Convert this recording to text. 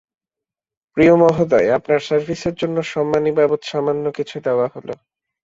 প্রিয় মহোদয়, আপনার সার্ভিসের জন্যে সন্মানী বাবদ সামান্য কিছু দেওয়া হল।